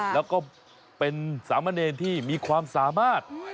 แล้วก็เป็นสามเณรที่มีความสามารถ